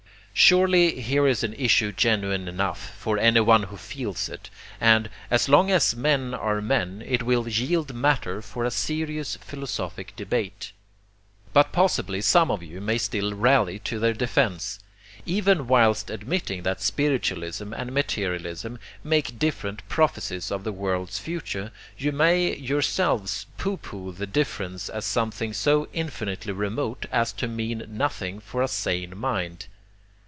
Surely here is an issue genuine enough, for anyone who feels it; and, as long as men are men, it will yield matter for a serious philosophic debate. But possibly some of you may still rally to their defence. Even whilst admitting that spiritualism and materialism make different prophecies of the world's future, you may yourselves pooh pooh the difference as something so infinitely remote as to mean nothing for a sane mind.